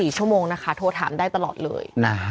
๔ชั่วโมงนะคะโทรถามได้ตลอดเลย